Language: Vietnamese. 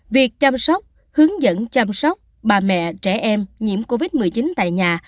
việc chăm sóc hướng dẫn chăm sóc bà mẹ trẻ em nhiễm covid một mươi chín tại nhà